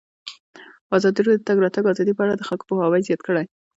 ازادي راډیو د د تګ راتګ ازادي په اړه د خلکو پوهاوی زیات کړی.